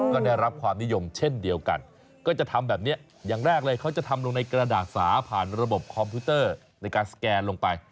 ก็ได้รับความนิยมเช่นเดียวกันก็จะทำแบบนี้อย่างแรกเลยเขาจะทำลงในกระดาษสาผ่านระบบคอมพิวเตอร์ในการสแกนลงไป